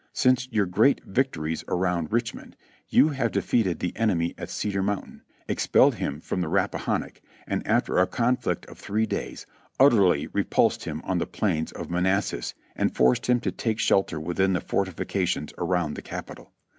Since your great victories around Richmond, you have defeated the enemy at Cedar Mountain, expelled him from the Rappahannock, and after a conflict of three days, utterly repulsed him on the plains of Manassas and forced him to take shelter within the fortifications around the Capital.